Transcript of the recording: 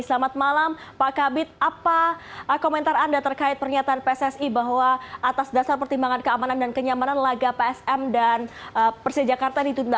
selamat malam pak kabit apa komentar anda terkait pernyataan pssi bahwa atas dasar pertimbangan keamanan dan kenyamanan laga psm dan persija jakarta ditunda